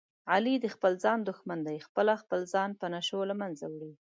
علي د خپل ځان دښمن دی، خپله خپل ځان په نشو له منځه وړي.